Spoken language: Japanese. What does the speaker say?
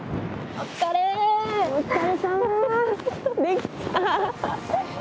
お疲れさま！